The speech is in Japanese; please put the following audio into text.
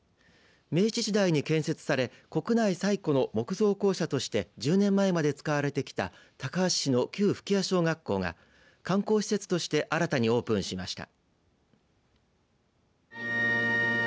明治時代に建設され国内最古の木造校舎として１０年前まで使われてきた高梁市の旧吹屋小学校が観光施設として新たにオープンしました。